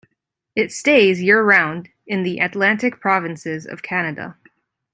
It stays year round in the Atlantic provinces of Canada.